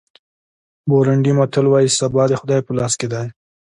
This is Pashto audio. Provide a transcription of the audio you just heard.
بورونډي متل وایي سبا د خدای په لاس کې دی.